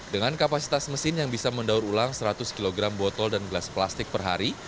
dengan kapasitas mesin yang bisa mendaur ulang seratus kg botol dan gelas plastik per hari